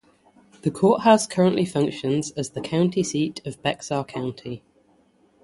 The Courthouse currently functions as the county seat of Bexar County.